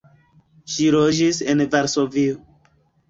Ŝi loĝis en Varsovio.